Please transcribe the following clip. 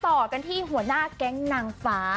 ต่อกันที่หัวหน้าแก๊งนางฟ้า